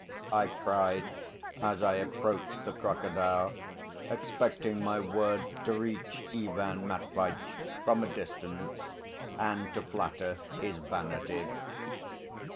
I cried, as I approached the crocodile, expecting my words to reach Ivan Matveitch from a distance and to flatter his vanity.